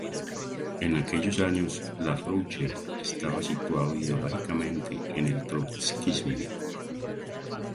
En aquellos años, LaRouche estaba situado ideológicamente en el trotskismo.